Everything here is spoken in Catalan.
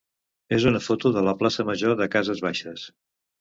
és una foto de la plaça major de Cases Baixes.